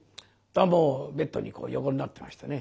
もうベッドにこう横になってましてね。